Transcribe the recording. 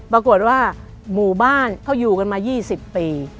ปรากฏว่าหมู่บ้านเขาอยู่กันมา๒๐ปี